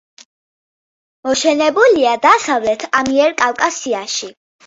მოშენებულია დასავლეთ ამიერკავკასიაში.